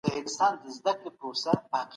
پتنګ 🦋